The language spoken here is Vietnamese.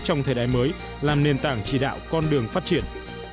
trong thời đại mới làm nền tảng chỉ đạo con đường phát triển